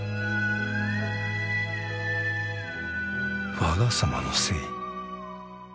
わが様のせい